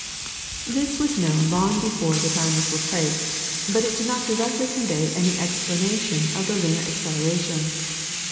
This was known long before the time of Laplace, but it did not directly convey any explanation of the lunar acceleration.